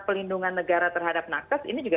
pelindungan negara terhadap nakas ini juga